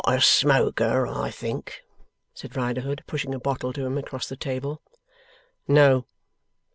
'Not a smoker, I think?' said Riderhood, pushing a bottle to him across the table. 'No.